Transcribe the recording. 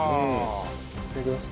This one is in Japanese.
いただきます。